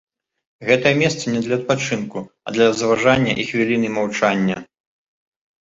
Гэтае месца не для адпачынку, а для разважання і хвіліны маўчання.